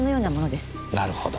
なるほど。